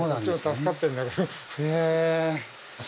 助かってるんだけど。